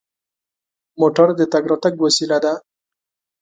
موټر د تګ راتګ وسیله ده.